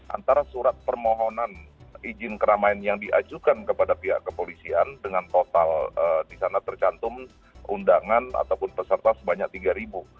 antara surat permohonan izin keramaian yang diajukan kepada pihak kepolisian dengan total di sana tercantum undangan ataupun peserta sebanyak tiga